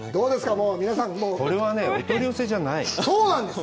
もう皆さんこれはねお取り寄せじゃないそうなんです